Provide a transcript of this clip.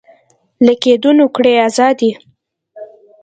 له قیدونو کړئ ازادي